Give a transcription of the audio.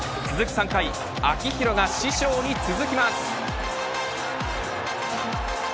３回秋広が師匠に続きます。